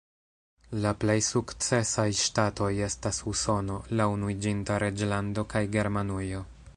La plej sukcesaj ŝtatoj estas Usono, la Unuiĝinta Reĝlando kaj Germanujo.